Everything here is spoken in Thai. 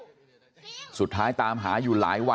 น้าสาวของน้าผู้ต้องหาเป็นยังไงไปดูนะครับ